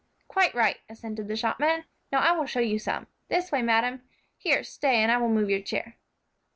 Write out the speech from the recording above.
"Quite right," assented the shopman. "Now I will show you some. This way, madam; here, stay, and I will move your chair."